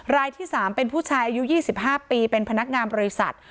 รายที่๓เป็นผู้ชายอายุ๒๕ปีเป็นพนักงานบริษัท